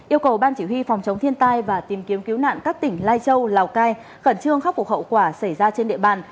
yêu cầu ban chỉ huy phòng chống thiên tai và tìm kiếm cứu nạn các tỉnh lai châu lào cai khẩn trương khắc phục hậu quả xảy ra trên địa bàn